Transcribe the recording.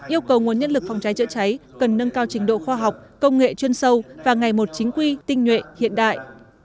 yêu cầu nguồn nhân lực phòng cháy chữa cháy cần nâng cao trình độ khoa học công nghệ chuyên sâu và ngày một chính quy tinh nhuệ hiện đại